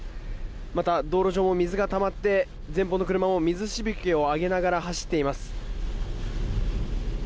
また、道路上、水がたまって前方の車も水しぶきを上げながら走っています。